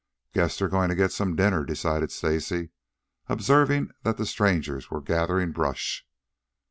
"Guess they're going to get some dinner," decided Stacy, observing that the strangers were gathering brush.